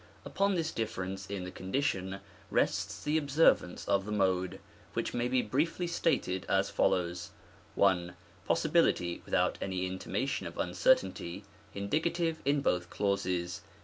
Upon this difference in the condition rests the observance of the Mode, which may be briefly stated as follows : I. Possibility without any intimation of uncer tainty; Indicative in both clauses.